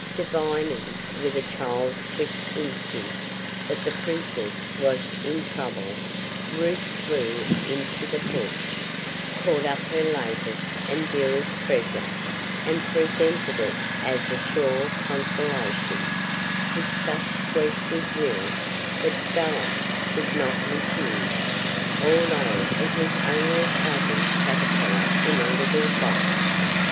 Divining with a child's quick instinct that the princess was in trouble, Ruth flew into the porch, caught up her latest and dearest treasure, and presented it as a sure consolation, with such sweet good will, that Bella could not refuse, although it was only a fuzzy caterpillar in a little box.